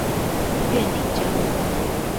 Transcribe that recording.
苑裡交流道